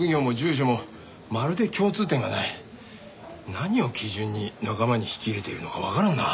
何を基準に仲間に引き入れているのかわからんな。